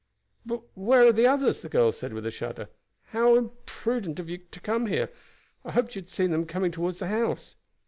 "But where are the others?" the girl said with a shudder. "How imprudent of you to come here! I hoped you had seen them coming toward the house."